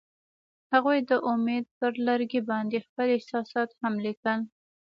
هغوی د امید پر لرګي باندې خپل احساسات هم لیکل.